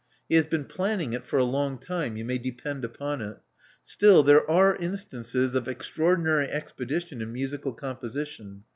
He has been planning it for a long time, you may depend upon it. Still, there are instances of extra ordinary expedition in musical composition.